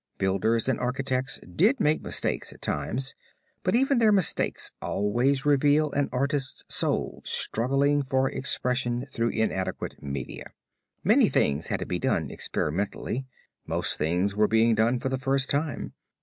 Builders and architects did make mistakes at times, but, even their mistakes always reveal an artist's soul struggling for expression through inadequate media. Many things had to be done experimentally, most things were being done for the first time.